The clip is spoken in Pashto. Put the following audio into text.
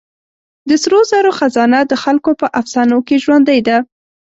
د سرو زرو خزانه د خلکو په افسانو کې ژوندۍ ده.